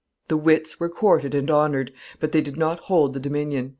The wits were courted and honored, but they did not hold the dominion."